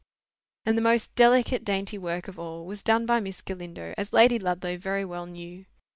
And the most delicate dainty work of all was done by Miss Galindo, as Lady Ludlow very well knew.